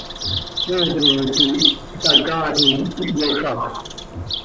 Pedro quih htacaalim, ihyozaxö.